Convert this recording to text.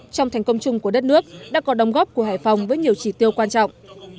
trong thành công chung của đất nước đã có đồng góp của hải phòng với nhiều chỉ tiêu quan trọng